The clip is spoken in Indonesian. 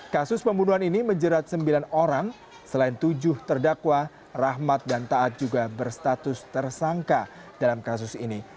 kasus pembunuhan ini menjerat sembilan orang selain tujuh terdakwa rahmat dan taat juga berstatus tersangka dalam kasus ini